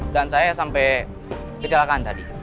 dan saya sampai kecelakaan tadi